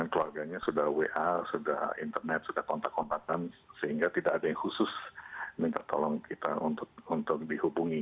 keluarganya sudah wa sudah internet sudah kontak kontaktan sehingga tidak ada yang khusus minta tolong kita untuk dihubungi